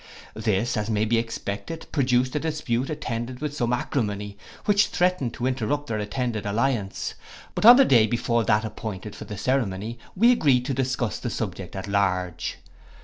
This, as may be expected, produced a dispute attended with some acrimony, which threatened to interrupt our intended alliance: but on the day before that appointed for the ceremony, we agreed to discuss the subject at large.